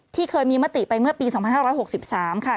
เคยมีมติไปเมื่อปี๒๕๖๓ค่ะ